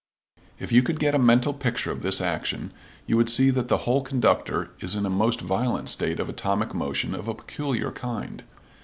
If you could get a mental picture of this action you would see that the whole conductor is in a most violent state of atomic motion of a peculiar kind.